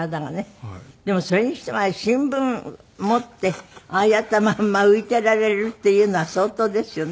でもそれにしてもあれ新聞持ってああやったまんま浮いていられるっていうのは相当ですよね。